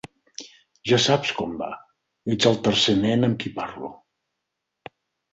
Ja saps com va, ets el tercer nen amb qui parlo.